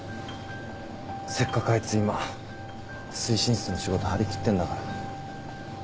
せっかくあいつ今推進室の仕事張り切ってんだから。